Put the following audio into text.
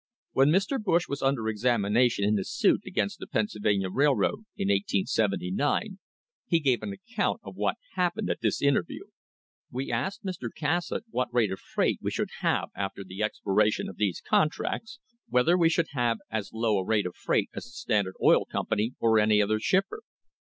When Mr. Bush was under examination in the suit against the Pennsylvania Railroad in 1879 he gave an account of what happened at this interview : "We asked Mr. Cassatt what rate of freight we should have after the expiration of these contracts, whether we should have as low a rate of freight as the Standard Oil Company or any other shipper?